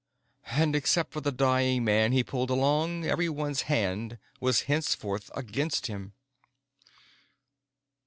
And, except for the dying man he pulled along, everyone's hand was henceforth against him.